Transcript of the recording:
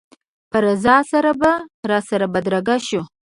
په رضا سره به راسره بدرګه شو.